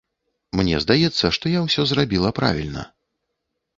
Мне здаецца, што я ўсё зрабіла правільна.